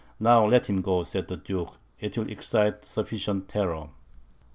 "Now let him go," said the Duke, "it will excite sufficient terror."